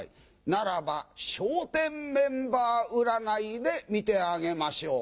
ならば、笑点メンバー占いで見てあげましょう。